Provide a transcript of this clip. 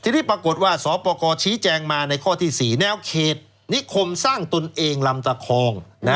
ทีนี้ปรากฏว่าสปกรชี้แจงมาในข้อที่๔แนวเขตนิคมสร้างตนเองลำตะคอง